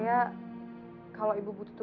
ada apa bu